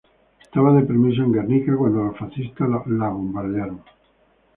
Estaba de permiso en Guernica cuando los fascistas lo bombardearon.